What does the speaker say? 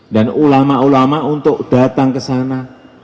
dan ulama ulama untuk datang ke sana